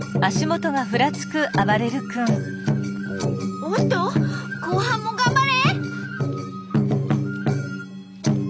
おっと後半も頑張れ！